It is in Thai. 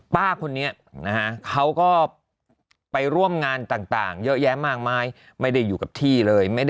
ป้าคนนี้นะฮะเขาก็ไปร่วมงานต่างเยอะแยะมากมายไม่ได้อยู่กับที่เลย